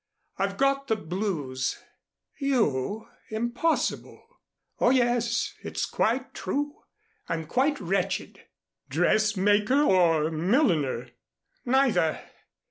I've got the blues." "You! Impossible." "Oh, yes. It's quite true. I'm quite wretched." "Dressmaker or milliner?" "Neither.